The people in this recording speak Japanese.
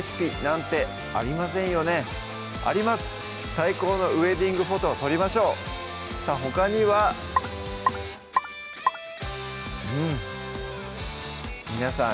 最高のウエディングフォトを撮りましょうさぁほかにはうん皆さん